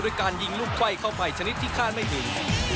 การยิงลูกไขว้เข้าไปชนิดที่คาดไม่ถึง